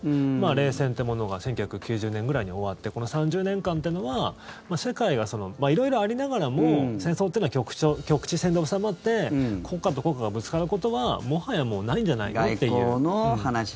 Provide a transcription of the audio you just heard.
冷戦ってものが１９９０年ぐらいに終わってこの３０年間ってのは世界が色々ありながらも戦争っていうのは局地戦で収まって国家と国家がぶつかることはもはやもうないんじゃないのっていう。